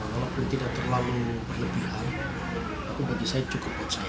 walaupun tidak terlalu berlebihan tapi bagi saya cukup percaya